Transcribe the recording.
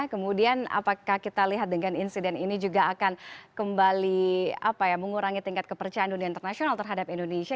kemudian apakah kita lihat dengan insiden ini juga akan kembali mengurangi tingkat kepercayaan dunia internasional terhadap indonesia